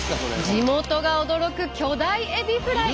地元が驚く巨大エビフライ。